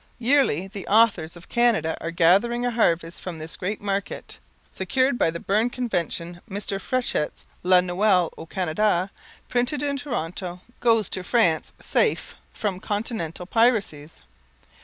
Yearly the authors of Canada are gathering a harvest from this great market. Secured by the Berne Convention, Mr. Frechette's "La Noël au Canada," printed in Toronto, goes to France safe from continental piracies.